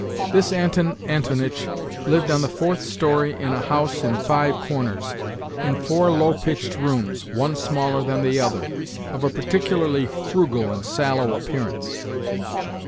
This Anton Antonitch lived on the fourth storey in a house in Five Corners, in four low pitched rooms, one smaller than the other, of a particularly frugal and sallow appearance.